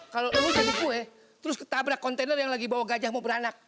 kalau lo mau jadi kue terus ketabrak kontainer yang lagi bawa gajah mau beranak